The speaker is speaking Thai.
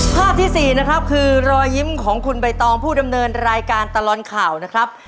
ภาพที่๔นะครับคือรอยยิ้มของคุณใบตองผู้ดำเนินรายการตลอดข่าวนะครับ